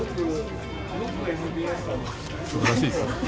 すばらしいですね。